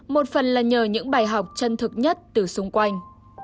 một phần là nhờ những bài học chân thực nhất từ xung quanh